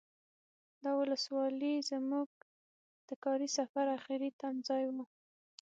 دا ولسوالي زمونږ د کاري سفر اخري تمځای و.